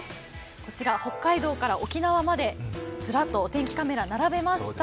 こちら北海道から沖縄までずらっとお天気カメラを並べました。